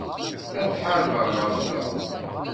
Ad ḥarbeɣ ɣef Tom.